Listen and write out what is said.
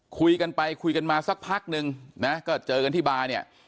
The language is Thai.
คุยกันไปคุยกันมาสักพักนึงนะก็เจอกันที่บาร์เนี่ย